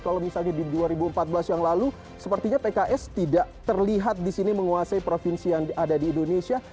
kalau misalnya di dua ribu empat belas yang lalu sepertinya pks tidak terlihat di sini menguasai provinsi yang ada di indonesia